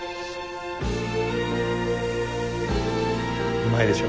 うまいでしょ？